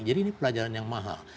jadi ini pelajaran yang mahal